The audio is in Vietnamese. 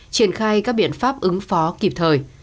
triển khai các biện pháp ứng phó kịp thời